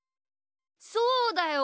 そうだよ！